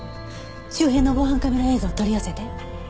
周辺の防犯カメラ映像を取り寄せて。